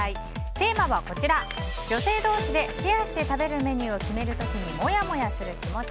テーマは女性同士でシェアして食べるメニューを決める時にモヤモヤする気持ち。